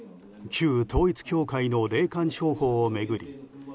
旧統一教会の霊感商法を巡り